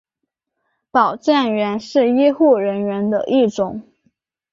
保健员是医护人员的一种。